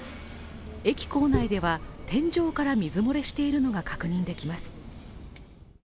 駅構内では、天井から水漏れしているのが確認できます。